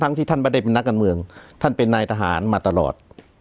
ที่ท่านไม่ได้เป็นนักการเมืองท่านเป็นนายทหารมาตลอด